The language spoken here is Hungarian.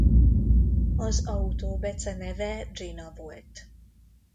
Az autó beceneve Gina volt.